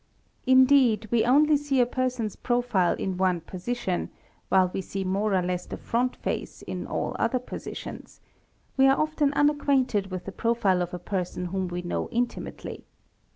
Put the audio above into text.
Indeed we only see a person's profile in one position, while we see more or less the front face in all other positions: we are often unacquainted with the profile of a person whom we know intimately.